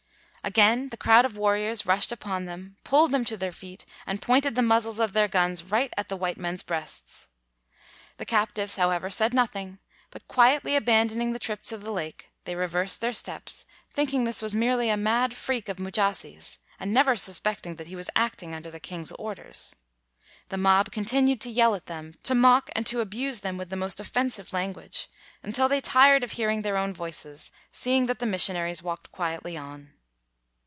Again the crowd of warriors rushed upon them, pulled them to their feet, and pointed the muzzles of their guns right at the white men's breasts. The captives, however, said nothing, but quietly abandoning the trip to the lake, they reversed their steps, thinking this was merely a mad freak of Mujasi's, and never suspecting that he was acting un der the king's orders. The mob continued to yell at them, to mock and to abuse them with the most offensive language, until they tired of hearing their own voices, seeing that the missionaries walked quietly on.